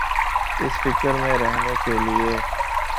اس فکر میں رہنے کیلئے۔